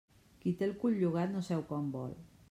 Qui té el cul llogat no seu quan vol.